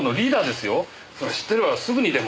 そりゃ知っていればすぐにでも。